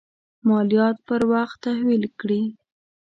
مالیات پر وخت تحویل کړي.